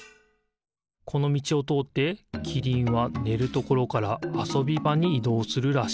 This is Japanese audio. このみちをとおってキリンはねるところからあそびばにいどうするらしい。